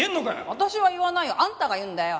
私は言わないよ。あんたが言うんだよ。